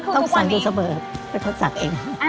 ต้องสั่งด้วยเสมอเป็นคนสั่งเองค่ะ